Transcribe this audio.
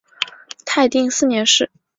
泰定四年事。